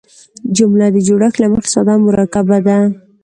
جمله د جوړښت له مخه ساده او مرکبه ده.